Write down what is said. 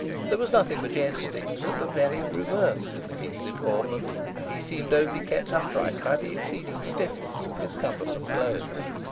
There was nothing majestic, but the very reverse, in the King's deportment, and he seemed only kept upright by the exceeding stiffness of his cumbersome clothes.